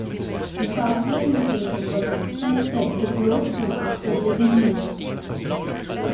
The Southdale location was expected to close soon after the release.